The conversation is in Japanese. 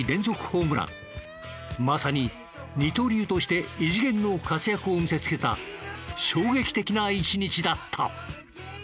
まさに二刀流として異次元の活躍を見せ付けた衝撃的な一日だった。